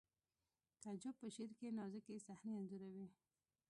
تعجب په شعر کې نازکې صحنې انځوروي